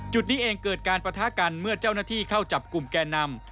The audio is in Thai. จุดนี้เองเกิดการปะทะกันเมื่อเจ้าหน้าที่เข้าจับกลุ่มแก่นำ